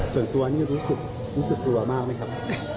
ส่วนตัวนี่รู้สึกกลัวมากไหมครับ